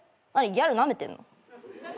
ギャルなめてんの？